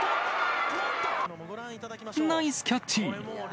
ナイスキャッチ。